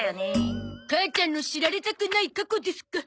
母ちゃんの知られたくない過去ですか。